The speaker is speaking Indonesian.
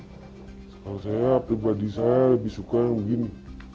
kalau saya pribadi saya lebih suka yang begini